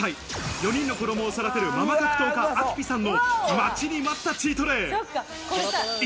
４人の子供を育てるママ格闘家あきぴさんの待ちに待ったチートデイ。